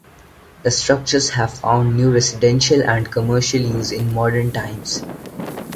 The structures have found new residential and commercial use in modern times.